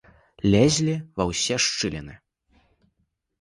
Лезлі ва ўсе шчыліны.